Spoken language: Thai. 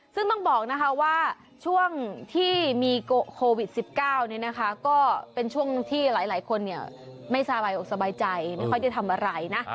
ซึ่งต้องบอกนะคะว่าช่วงที่มีโควิด๑๙ก็เป็นช่วงที่หลายคนไม่สบายอกสบายใจไม่ค่อยได้ทำอะไรนะ